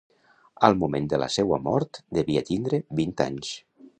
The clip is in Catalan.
Al moment de la seua mort devia tindre vint anys.